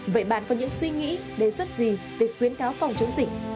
vậy bạn có những suy nghĩ đề xuất gì về khuyến cáo phòng chống dịch